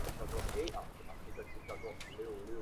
车站名称是以位处附近的春日山城而得名。